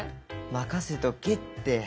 任せとけって！